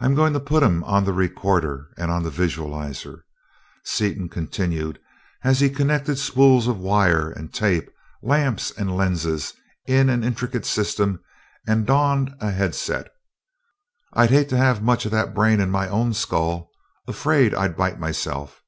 I'm going to put him on the recorder and on the visualizer," Seaton continued as he connected spools of wire and tape, lamps, and lenses in an intricate system and donned a headset. "I'd hate to have much of that brain in my own skull afraid I'd bite myself.